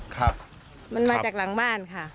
ครับมันมาจากหลังบ้านค่ะ